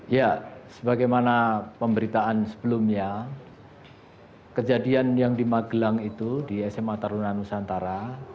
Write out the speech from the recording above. ya sebagaimana pemberitaan sebelumnya kejadian yang di magelang itu di sma taruna nusantara